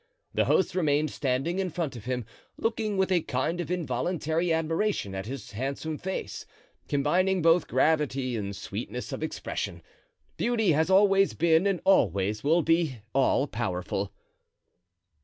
The host remained standing in front of him, looking with a kind of involuntary admiration at his handsome face, combining both gravity and sweetness of expression. Beauty has always been and always will be all powerful.